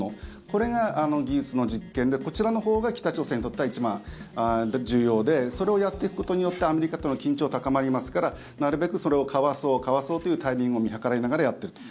これが技術の実験でこちらのほうが北朝鮮にとっては一番重要でそれをやっていくことによってアメリカとの緊張が高まりますからなるべくそれをかわそう、かわそうというタイミングを見計らいながらやっていると。